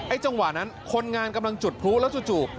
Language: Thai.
จังหวะนั้นคนงานกำลังจุดพลุแล้วจู่